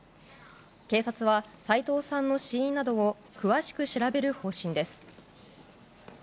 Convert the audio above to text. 警察は、斉藤さんの死因などを詳しく調べる方針です。